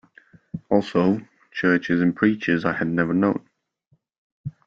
Also, churches and preachers I had never known.